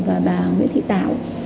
và bà nguyễn thị tảo